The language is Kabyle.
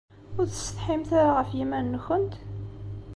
Ur tessetḥimt ara ɣef yiman-nkent?